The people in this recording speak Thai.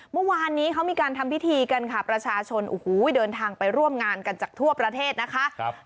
เมื่อวานนี้เขามีการทำพิธีกันค่ะประชาชนโอ้โหเดินทางไปร่วมงานกันจากทั่วประเทศนะคะ